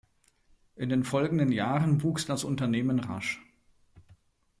In den folgenden Jahren wuchs das Unternehmen rasch.